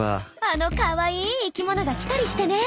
あのかわいい生きものが来たりしてね。